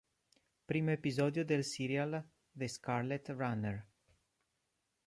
Primo episodio del serial "The Scarlet Runner".